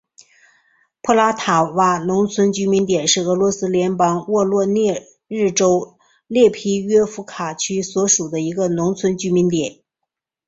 普拉塔瓦农村居民点是俄罗斯联邦沃罗涅日州列皮约夫卡区所属的一个农村居民点。